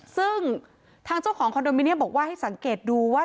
ซึ่งทางเจ้าของคอนโดมิเนียมบอกว่าให้สังเกตดูว่า